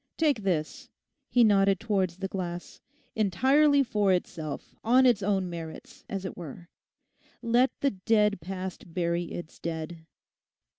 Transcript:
Take this,' he nodded towards the glass, 'entirely for itself, on its own merits, as it were. Let the dead past bury its dead.